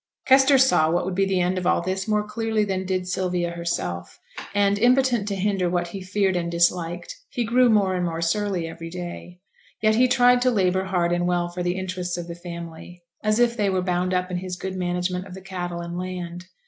Kester saw what would be the end of all this more clearly than Sylvia did herself; and, impotent to hinder what he feared and disliked, he grew more and more surly every day. Yet he tried to labour hard and well for the interests of the family, as if they were bound up in his good management of the cattle and land.